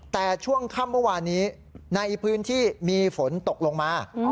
แต่ช่วงค่ำเมื่อวานนี้ในพื้นที่มีฝนตกลงมา